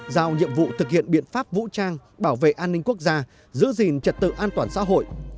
giao nhiệm vụ thực hiện biện pháp vũ trang bảo vệ an ninh quốc gia giữ gìn trật tự an toàn xã hội